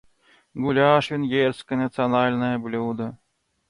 Гуляш - венгерское национальное блюдо.